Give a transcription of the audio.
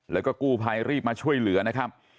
แล้วก็กู้ภัยรีบมาช่วยเหลือนะครับ